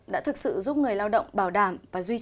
đã thực sự giúp người lao động bảo đảm